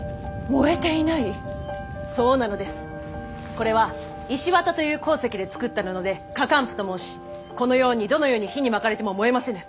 これは石綿という鉱石で作った布で火かん布と申しこのようにどのように火に巻かれても燃えませぬ。